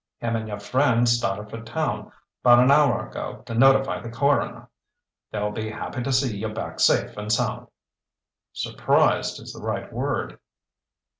"Him and your friend started for town 'bout an hour ago to notify the coroner. They'll be happy to see you back safe and sound." "Surprised is the right word."